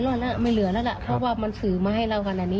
ตอนออกเรือนี่เขาบอกว่าเขาก็ถ่ายรูปเรือมาให้